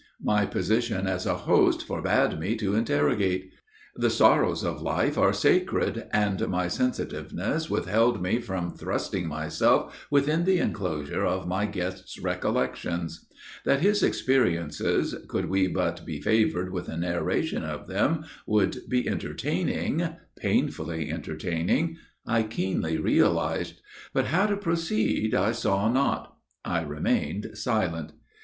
My position as a host forbade me to interrogate. The sorrows of life are sacred, and my sensitiveness withheld me from thrusting myself within the enclosure of my guest's recollections. That his experiences, could we but be favored with a narration of them, would be entertaining, painfully entertaining, I keenly realized; but how to proceed I saw not. I remained silent.